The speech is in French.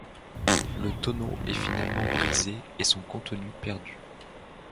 Le tonneau est finalement brisé et son contenu perdu.